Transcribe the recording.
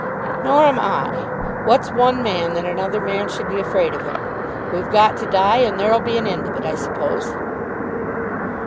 "Nor am I. What's one man that another man should be afraid of him? We've got to die, and there'll be an end of it, I suppose."